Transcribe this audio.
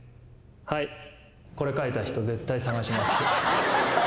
はい。